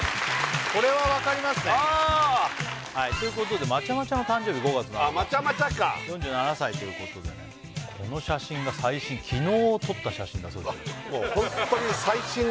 これは分かりますねということでまちゃまちゃの誕生日５月７日まちゃまちゃか４７歳ということでねこの写真が最新昨日撮った写真だそうです